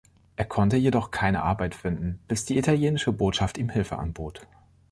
Er konnte jedoch keine Arbeit finden, bis die italienische Botschaft ihm Hilfe anbot.